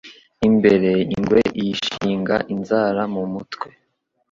imbere ingwe iyishinga inzara mu mutwe